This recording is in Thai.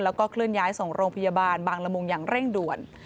แล้วก็เคลื่อนย้ายส่งโรงพยาบาลบางละมุงอย่างเร่งด่วน